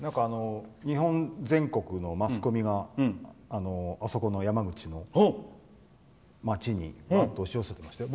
日本全国のマスコミがあそこの山口の街に押し寄せてましたよ。